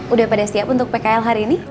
udah pada siap untuk pkl hari ini